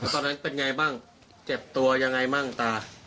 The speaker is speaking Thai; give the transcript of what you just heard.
ล่ะตอนนั้นเป็นอย่างไรบ้างเจ็บตัวอย่างไรบ้างล่ะตา